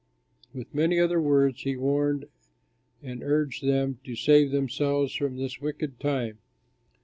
With many other words he warned and urged them to save themselves from this wicked time.